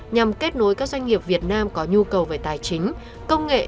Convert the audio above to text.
nhằm kết nối các doanh nghiệp việt nam có nhu cầu về tài chính công nghệ